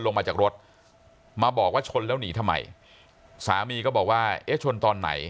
ลงมาจากรถมาบอกว่าชนแล้วหนีทำไมสามีก็บอกว่าเอ๊ะชนตอนไหน